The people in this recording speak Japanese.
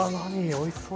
おいしそう。